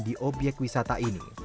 di obyek wisata ini